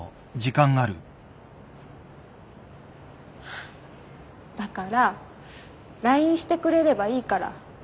ハァだからＬＩＮＥしてくれればいいから。